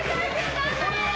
頑張れ！